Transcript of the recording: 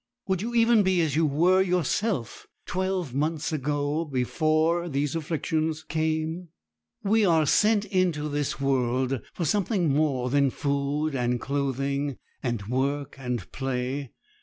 Would you even be as you were yourself twelve months ago, before these afflictions came? We are sent into this world for something more than food and clothing, and work and play.